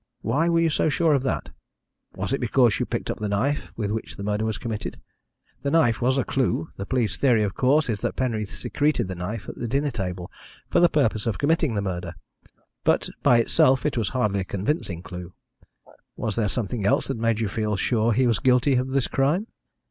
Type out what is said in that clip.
Why were you so sure of that? Was is because you picked up the knife with which the murder was committed? The knife was a clue the police theory of course is that Penreath secreted the knife at the dinner table for the purpose of committing the murder but, by itself, it was hardly a convincing clue. Was there something else that made you feel sure he was guilty of this crime?"